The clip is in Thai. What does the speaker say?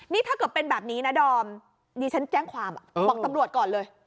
นี่ถ้าเกิดเป็นแบบนี้นะดอมดิฉันแจ้งความบอกตำรวจก่อนเลย